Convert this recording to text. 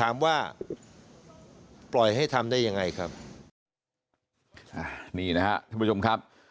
ถามว่าปล่อยให้ทำได้ยังไงครับ